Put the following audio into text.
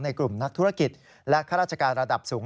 กลุ่มนักธุรกิจและข้าราชการระดับสูง